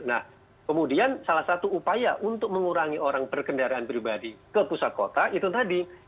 nah kemudian salah satu upaya untuk mengurangi orang berkendaraan pribadi ke pusat kota itu tadi